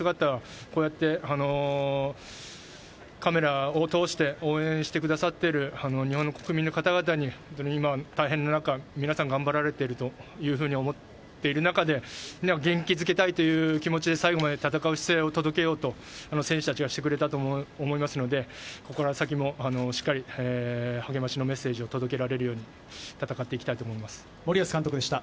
こうやってカメラを通して応援してくださっている日本の国民の方々に今、大変な中、皆さん頑張られているというふうに思っている中で、元気づけたいという気持ちで最後まで戦う姿勢を届けようと選手たちがしてくれたと思いますので、ここから先もしっかり励ましのメッセージを届けられるように森保監督でした。